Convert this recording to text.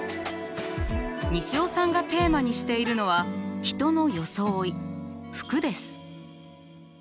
西尾さんがテーマにしているのは人の装い服です。